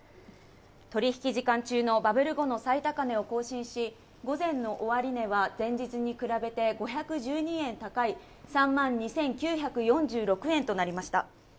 取引時間中のバブル後の最高値を更新し、午前の終値は前日に比べて５１２円高い３万２９４６円となりました。